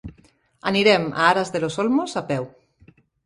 Anirem a Aras de los Olmos a peu.